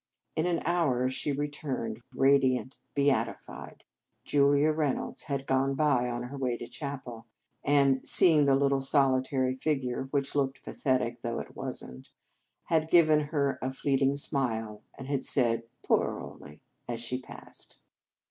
In an hour she returned, radiant, beati fied. Julia Reynolds had gone by on her way to the chapel; and seeing the little solitary figure which looked pathetic, though it was n t had given her a fleeting smile, and had said " Poor Olie," as she passed.